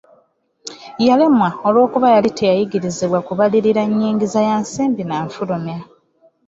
Yalemwanga olw'okuba yali teyayigirizibwa kubalirira nnyingiza ya nsimbi na nfulumya.